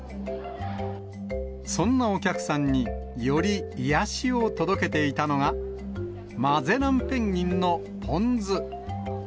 そんなお客さんに、より癒やしを届けていたのが、マゼランペンギンのぽんず。